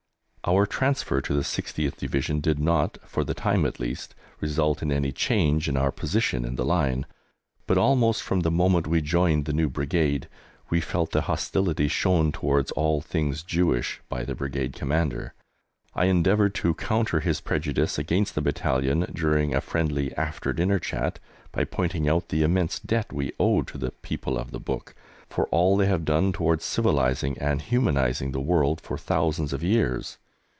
Our transfer to the 60th Division did not, for the time at least, result in any change in our position in the line, but, almost from the moment we joined the new Brigade, we felt the hostility shown towards all things Jewish by the Brigade Commander. I endeavoured to counter his prejudice against the battalion, during a friendly after dinner chat, by pointing out the immense debt we owed to the "People of the Book" for all they have done towards civilising and humanizing the world for thousands of years.